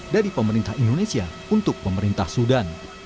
dari pemerintah indonesia untuk pemerintah sudan